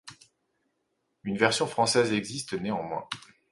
Une version française existe néanmoins.